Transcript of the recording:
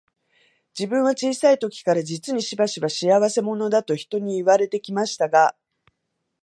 自分は小さい時から、実にしばしば、仕合せ者だと人に言われて来ましたが、